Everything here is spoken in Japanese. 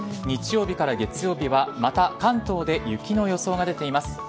日曜日から月曜日はまた関東で雪の予想が出ています。